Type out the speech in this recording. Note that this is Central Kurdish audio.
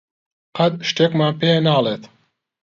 قەت شتێکمان پێ ناڵێت.